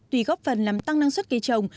tuy góp phần làm tăng năng suất cây trồng